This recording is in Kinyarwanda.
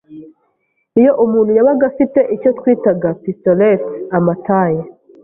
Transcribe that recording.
iyo umuntu yabaga afite icyo twitaga pistolet ama taille